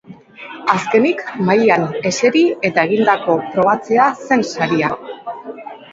Azkenik, mahaian eseri eta egindako probatzea zen saria.